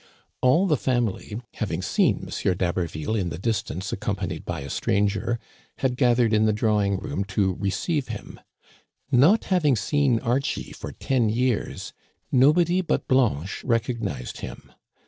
All the family, having seen M. d'Haberville in the distance accompanied by a stranger, had gathered in the drawing room to receive him. Not having seen Archie for ten years, nobody but Blanche recognized him.